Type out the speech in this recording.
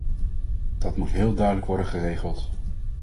Dat moet heel duidelijk worden geregeld.